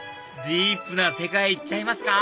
ディープな世界行っちゃいますか